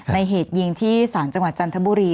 เหตุยิงที่ศาลจังหวัดจันทบุรี